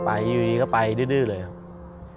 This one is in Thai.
อยู่ดีก็ไปดื้อเลยครับ